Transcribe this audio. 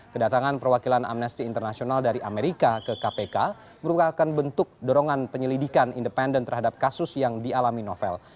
kedatangan perwakilan amnesty international dari amerika ke kpk merupakan bentuk dorongan penyelidikan independen terhadap kasus yang dialami novel